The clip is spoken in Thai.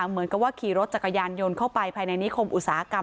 เหมือนกับว่าขี่รถจักรยานยนต์เข้าไปภายในนิคมอุตสาหกรรม